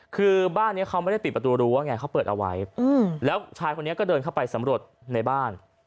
คือบ้านนี้เขาไม่ได้ปิดประตูรั้วไงเขาเปิดเอาไว้แล้วชายคนนี้ก็เดินเข้าไปสำรวจในบ้าน